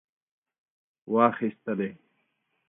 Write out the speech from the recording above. واخیستلې.